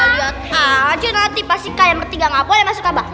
lihat aja nanti pasti kalian bertiga gak boleh masuk kaabah